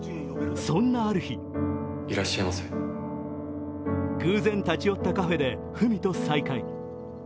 そんなある日偶然立ち寄ったカフェで文と再会。